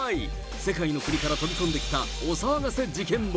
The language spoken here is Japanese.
世界の国から飛び込んできた、お騒がせ事件簿。